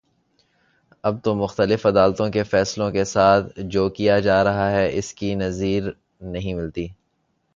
اب تو مختلف عدالتوں کے فیصلوں کے ساتھ جو کیا جا رہا ہے اس کی نظیر نہیں ملتی